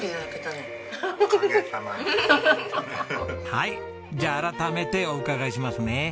はいじゃあ改めてお伺いしますね。